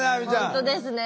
本当ですね